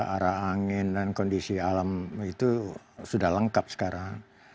arah angin dan kondisi alam itu sudah lengkap sekarang